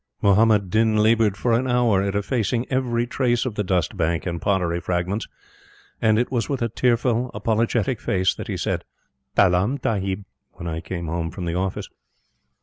Muhammad Din labored for an hour at effacing every trace of the dust bank and pottery fragments, and it was with a tearful apologetic face that he said, "Talaam Tahib," when I came home from the office.